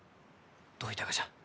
どういたがじゃ？